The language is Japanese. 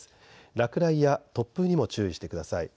落雷や突風にも注意してください。